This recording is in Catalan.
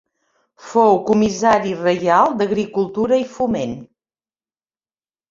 Fou comissari reial d'Agricultura i Foment.